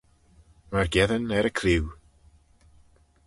Myrgeddin er y clieau.